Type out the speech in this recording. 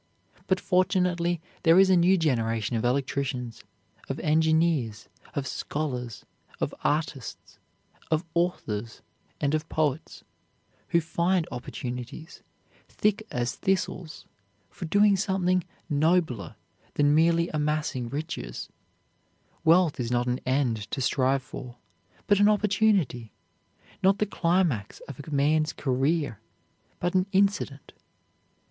But fortunately there is a new generation of electricians, of engineers, of scholars, of artists, of authors, and of poets, who find opportunities, thick as thistles, for doing something nobler than merely amassing riches. Wealth is not an end to strive for, but an opportunity; not the climax of a man's career, but an incident.